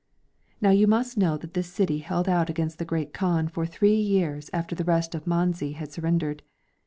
Now you must know that this city held out against the Great Kaan for three years after the rest of Manzi had surrendered.